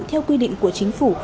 theo quy định của chính phủ